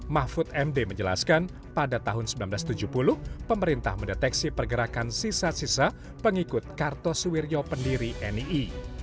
mahfud md menjelaskan pada tahun seribu sembilan ratus tujuh puluh pemerintah mendeteksi pergerakan sisa sisa pengikut kartos wirjo pendiri nii